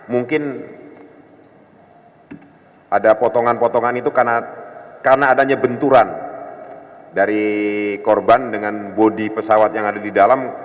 mungkin ada potongan potongan itu karena adanya benturan dari korban dengan bodi pesawat yang ada di dalam